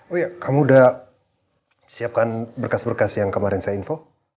oh iya kamu udah siapkan berkas berkas yang kemarin saya info